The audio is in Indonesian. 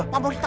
pak mau cerita